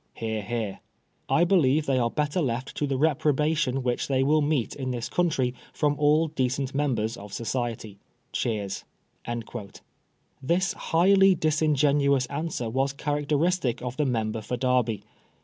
(Hear, hear). I believe they are better left to the reprobation wnich they will meet in this country from all decent members of society. (Cheers)." This highly disingeuous answer was characteristic of the member for Derby.